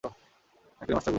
নাকি ওই মাস্টার গুরুত্বপূর্ণ?